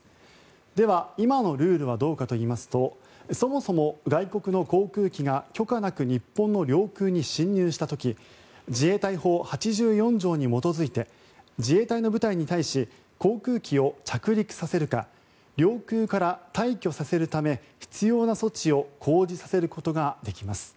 では、今のルールはどうかといいますとそもそも外国の航空機が許可なく日本の領空に侵入した時自衛隊法８４条に基づいて自衛隊の部隊に対し航空機を着陸させるか領空から退去させるため必要な措置を講じさせることができます。